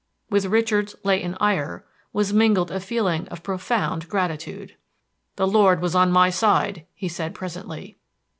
With Richard's latent ire was mingled a feeling of profound gratitude. "The Lord was on my side," he said presently.